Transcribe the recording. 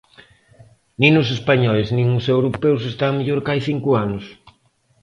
"Nin os españois nin os europeos están mellor que hai cinco anos".